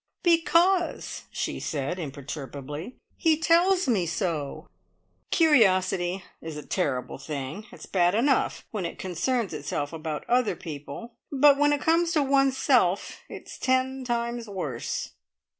"Because," she said imperturbably, "he tells me so!" Curiosity is a terrible thing. It's bad enough when it concerns itself about other people, but when it comes to oneself, it's ten times worse.